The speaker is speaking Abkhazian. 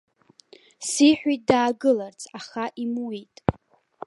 Сиҳәеит даагыларц, аха имуит.